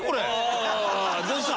どうした？